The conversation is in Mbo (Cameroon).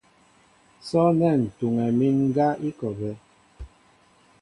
Sɔ̂nɛ́ ǹ tuŋɛ mín ŋgá i kɔ a bɛ́.